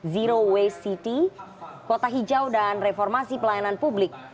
zero waste city kota hijau dan reformasi pelayanan publik